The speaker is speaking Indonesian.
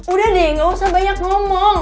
udah deh gak usah banyak ngomong